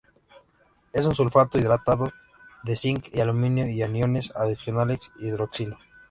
Es un sulfato hidratado de cinc y aluminio y aniones adicionales hidroxilo.